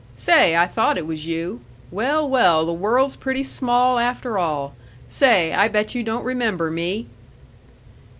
"Say, I thought it was you. Well, well, the world's pretty small, after all. Say, I bet you don't remember me."